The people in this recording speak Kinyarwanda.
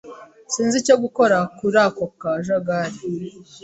Sinzi icyo gukora kuri ako kajagari.